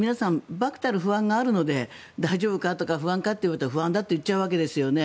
漠たる不安があるので大丈夫かとか不安かと聞くと不安だと言っちゃうわけですね。